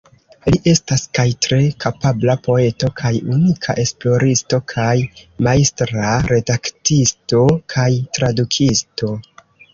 Li estas kaj tre kapabla poeto kaj unika esploristo, kaj majstra redaktisto kaj tradukisto.